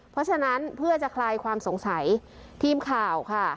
เพราะฉะนั้นเพื่อจะคลายความสงสัยทีมข่าวค่ะ